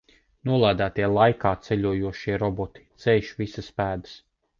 Nolādētie laikā ceļojošie roboti dzēš visas pēdas.